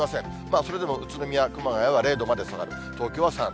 それでも宇都宮、熊谷は０度まで下がる、東京は３度。